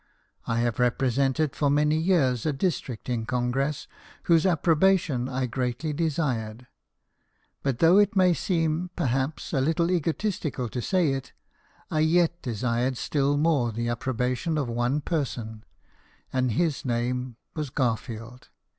I have represented for many years a district in Congress whose approbation I greatly desired ; but though it may seem, perhaps, a little egotistical to say it, I yet desired still more the approbation of one person, and his name was Garfield.